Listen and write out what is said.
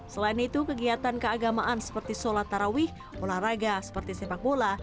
selain itu kegiatan keagamaan seperti sholat tarawih olahraga seperti sepak bola